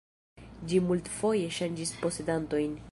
Ĝi multfoje ŝanĝis posedantojn.